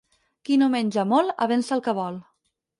Qui no menja molt avença el que vol.